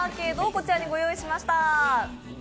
こちらにご用意しました。